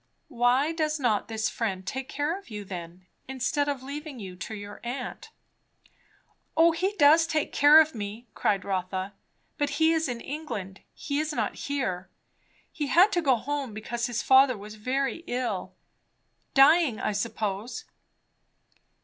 "Why does not this friend take care of you then, instead of leaving you to your aunt?" "O he does take care of me," cried Rotha; "but he is in England; he is not here. He had to go home because his father was very ill dying, I suppose."